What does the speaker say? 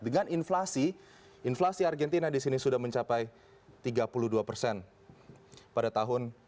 dengan inflasi inflasi argentina di sini sudah mencapai tiga puluh dua persen pada tahun dua ribu dua puluh